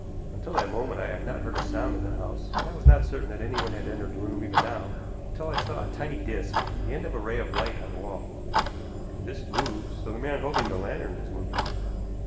Until that moment I had not heard a sound in the house, and I was not certain that anyone had entered the room even now, until I saw a tiny disk, the end of a ray of light, on the wall. The disk moved, so the man holding the lantern was moving.